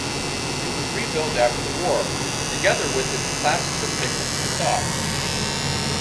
It was rebuilt after the war, together with its classicistic facade.